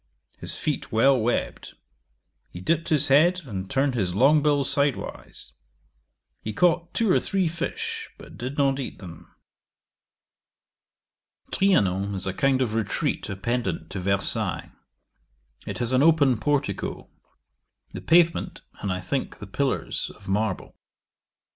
His feet well webbed: he dipped his head, and turned his long bill sidewise. He caught two or three fish, but did not eat them. 'Trianon is a kind of retreat appendant to Versailles. It has an open portico; the pavement, and, I think, the pillars, of marble.